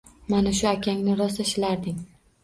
Mana shu akangni rosa shilarding!